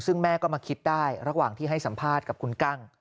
ซึ่งแม่ก็มาคิดได้ระหว่างที่ให้สัมภาษณ์กับคุณกั้ง